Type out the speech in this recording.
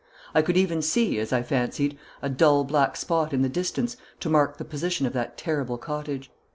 I could even see, as I fancied, a dull black spot in the distance to mark the position of that terrible cottage.